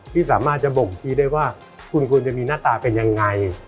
ที่สามารถจะบ่งพิได้ว่าคุณจะมีหน้าตาเป็นอย่างไร